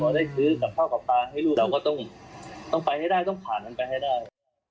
ได้ซื้อกับข้าวกับปลาให้ลูกเราก็ต้องไปให้ได้ต้องผ่านมันไปให้ได้